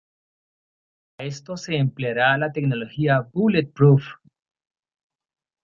Para esto, se empleará la tecnología Bullet Proof.